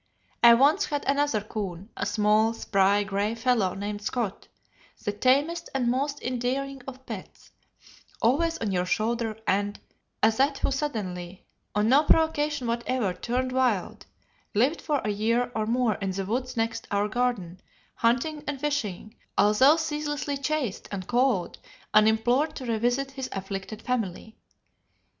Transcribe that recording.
I once had another coon, a small, spry, gray fellow named Scot, the tamest and most endearing of pets, always on your shoulder and a' that, who suddenly, on no provocation whatever, turned wild, lived for a year or more in the woods next our garden, hunting and fishing, although ceaselessly chased, and called, and implored to revisit his afflicted family.